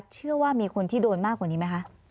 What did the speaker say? เชื่อว่ามีคนที่โดนมากกว่านี้ไหมคะ